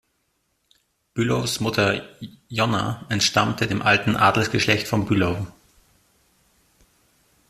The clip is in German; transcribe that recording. Bülows Mutter Jonna entstammte dem alten Adelsgeschlecht von Bülow.